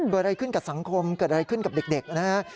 เกิดอะไรขึ้นกับสังคมเกิดอะไรขึ้นกับเด็กนะฮะ